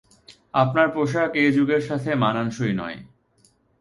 আপনার পোশাক এ যুগের সাথে মানানসই নয়।